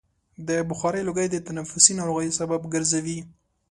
د بخارۍ لوګی د تنفسي ناروغیو سبب ګرځي.